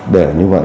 để như vậy